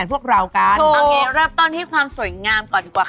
มันเข้าเครือบอยู่ด้านหน้าเรียบร้อย